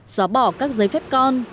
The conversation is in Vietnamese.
xóa bỏ các giấy phép con